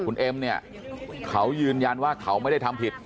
คุณเอ็มเนี่ยเขายืนยันว่าเขาไม่ได้ทำผิด